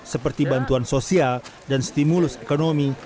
seperti bantuan sosial dan stimulus ekonomi